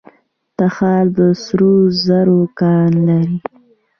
تخار د سرو زرو کان لري